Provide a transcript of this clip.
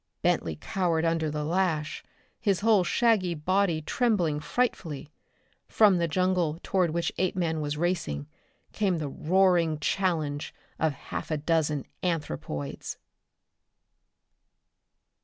Bentley cowered under the lash. His whole shaggy body trembled frightfully. From the jungle toward which Apeman was racing come the roaring challenge of half a dozen anthropoids.